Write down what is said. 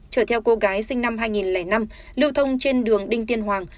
chở theo cô gái sinh năm hai nghìn năm lưu thông trên đường đinh tiên hoàng